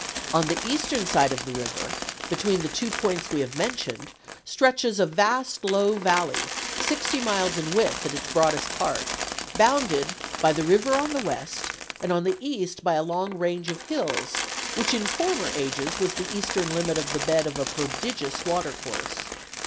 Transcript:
On the eastern side of the river, between the two points we have mentioned, stretches a vast low valley sixty miles in width at its broadest part, bounded by the river on the west, and on the east by a long range of hills which in former ages was the eastern limit of the bed of a prodigious water course.